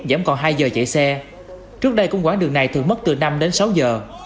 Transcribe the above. giảm còn hai giờ chạy xe trước đây cũng quán đường này thường mất từ năm đến sáu giờ